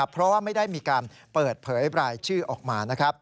เพราะว่าไม่ได้มีการเปิดเผยรายชื่อออกมา